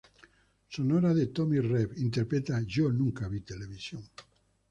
Sonora de Tommy Rey: Interpreta "Yo nunca vi televisión.